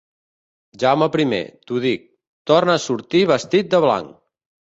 Jaume Primer, t'ho dic, torna a sortir vestit de blanc!